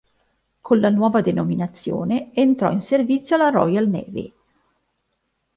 Con la nuova denominazione, entrò in servizio nella Royal Navy.